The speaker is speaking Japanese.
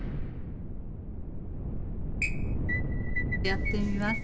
やってみます